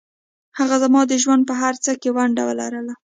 هغې زما د ژوند په هرڅه کې ونډه لرله